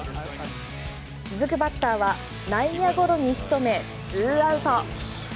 続くバッターは内野ゴロに仕留め２アウト。